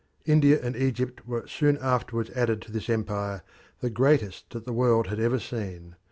India and Egypt were soon afterwards added to this empire, the greatest that the world had ever seen.